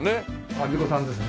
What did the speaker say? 安孫子さんですね。